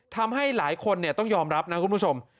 ทำให้หลายคนต้องยอมรับนะคุณผู้ชม